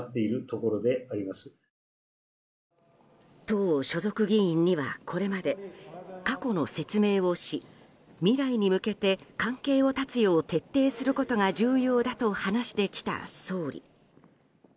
党所属議員には、これまで過去の説明をし未来に向けて関係を断つよう徹底することが重要だと話してきた総理。